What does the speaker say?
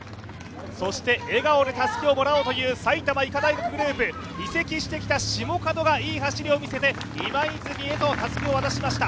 そして笑顔でたすきをもらおうという埼玉医科大学グループ、移籍してきた下門がいい走りを見せ、今泉へとたすきを渡しました。